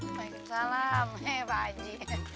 waalaikumsalam pak haji